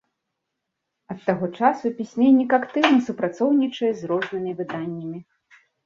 Ад таго часу пісьменнік актыўна супрацоўнічае з рознымі выданнямі.